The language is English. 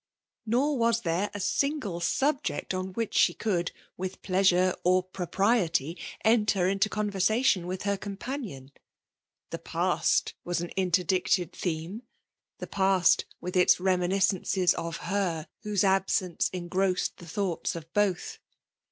Nor was there a single subject on which she could, with pleasure or propriety, enter into conversation with her companion4 The past was an interdicted theme, — the past vcith its reminiscences of her whose absence engrossed the thoughts of both.